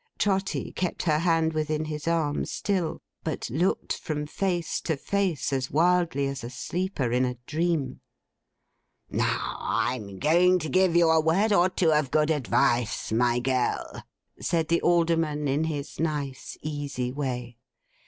Trotty kept her hand within his arm still, but looked from face to face as wildly as a sleeper in a dream. 'Now, I'm going to give you a word or two of good advice, my girl,' said the Alderman, in his nice easy way.